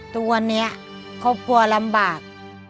ตัวนี้เขาปลัวลำบาก